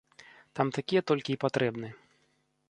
Там такія толькі і патрэбны.